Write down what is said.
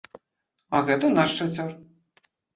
А гэта наш шацёр.